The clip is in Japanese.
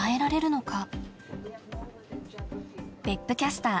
別府キャスター